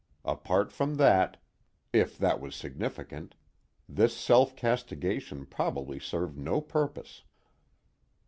Apart from that, if that was significant, this self castigation probably served no purpose.